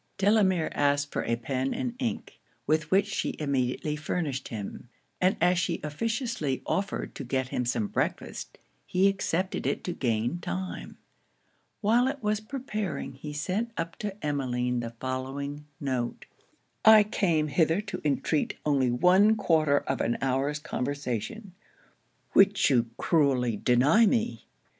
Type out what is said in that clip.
Delamere asked for a pen and ink, with which she immediately furnished him; and as she officiously offered to get him some breakfast, he accepted it to gain time. While it was preparing he sent up to Emmeline the following note: 'I came hither to entreat only one quarter of an hour's conversation, which you cruelly deny me!